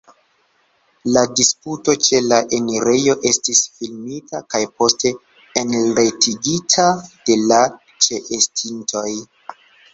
La disputo ĉe la enirejo estis filmita kaj poste enretigita de la ĉeestintoj.